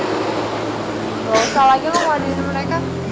nggak usah lagi lah ngeladain mereka